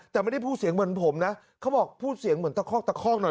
แต่ไม่ได้พูดเสียงเหมือนผมนะเขาบอกพูดเสียงเหมือนตะคอกตะคอกหน่อย